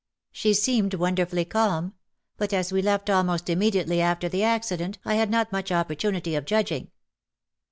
She seemed wonderfully calm ; but as we left almost immediately after the acci dent I had not much opportunity of judging."